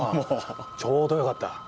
ちょうどよかった。